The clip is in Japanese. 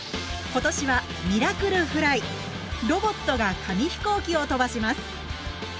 今年は「ミラクル☆フライ」ロボットが紙飛行機を飛ばします。